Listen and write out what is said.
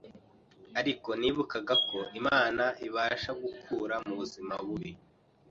ariko nibukagako Imana ibasha gukura mu buzima bubi